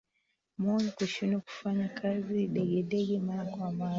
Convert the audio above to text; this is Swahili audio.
Moyo kushindwa kufanya kaziDegedege mara kwa mara